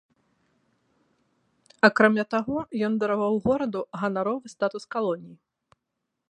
Акрамя таго, ён дараваў гораду ганаровы статус калоніі.